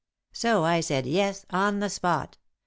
So I said 'Yes' on the spot.